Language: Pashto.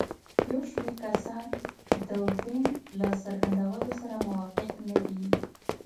یو شمېر کسان د وین له څرګندونو سره موافق نه دي.